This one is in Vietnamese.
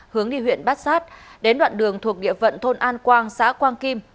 hướng đi huyện bát sát đến đoạn đường thuộc địa phận thôn an quang xã quang kim